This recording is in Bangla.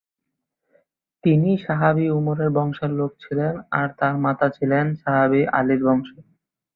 তিনি সাহাবী উমরের বংশের লোক ছিলেন আর তার মাতা ছিলেন ছিলেন সাহাবী আলীর বংশের।